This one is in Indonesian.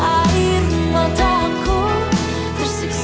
makin takut banget kira kira kamu